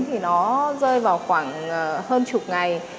thì nó rơi vào khoảng hơn chục ngày